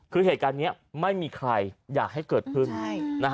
คือเหตุการณ์นี้ไม่มีใครอยากให้เกิดขึ้น